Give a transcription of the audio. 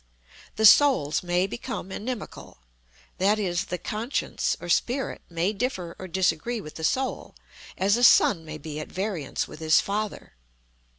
"The Souls may become inimical;" that is, the Conscience, or Spirit, may differ or disagree with the Soul, as a son may be at variance with his father.